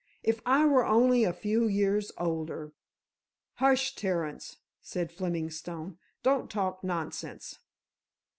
"If I were only a few years older——" "Hush, Terence," said Fleming Stone, "don't talk nonsense."